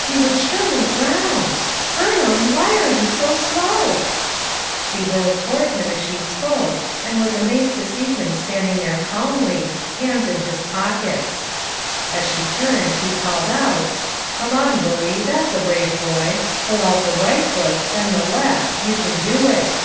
he would surely drown! Burnham, why are you so slow !'' She whirled toward him as she spoke and was amazed to see him stand ing there calmly, hands in his pockets. As she turned he called out: "Come on, Willie, that's a brave boy; pull out the right foot, then the left, you can do it."